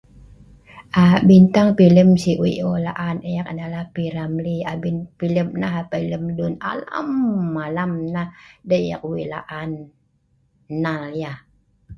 Aa.. bintang felem si’ wei eu laan eek adalah P Ramli abien felem nah abei si’ lem luen alaam-alaam nah dei nah eek wei laan nnal yeh